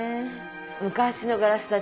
昔のガラスだ